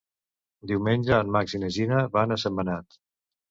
Diumenge en Max i na Gina van a Sentmenat.